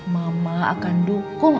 mama akan dukung